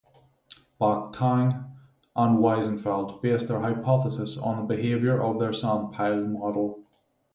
Bak Tang and Wiesenfeld based their hypothesis on the behavior of their sandpile model.